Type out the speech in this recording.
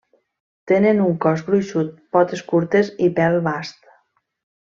Tenen un cos gruixut, potes curtes i pèl bast.